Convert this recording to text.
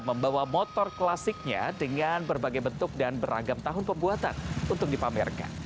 membawa motor klasiknya dengan berbagai bentuk dan beragam tahun pembuatan untuk dipamerkan